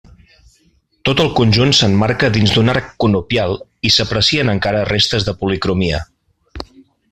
Tot el conjunt s’emmarca dins d’un arc conopial i s’aprecien encara restes de policromia.